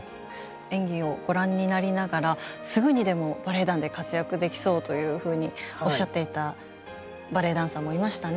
演技をご覧になりながらすぐにでもバレエ団で活躍できそうというふうにおっしゃっていたバレエダンサーもいましたね。